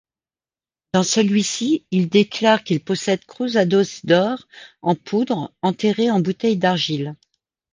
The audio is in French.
Dans celui-ci, il déclare qu’il possède cruzados d’or en poudre, enterré en bouteilles d’argile.